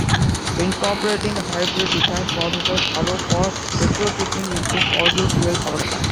Incorporating hybrid design processes allows for retrofitting into fossil fuel power plants.